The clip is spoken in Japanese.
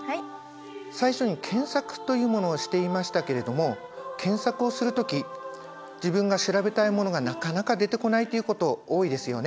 最初に検索というものをしていましたけれども検索をする時自分が調べたいものがなかなか出てこないということ多いですよね。